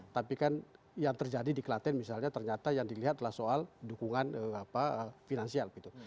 tapi kan yang terjadi di klaten misalnya ternyata yang dilihat adalah soal dukungan finansial gitu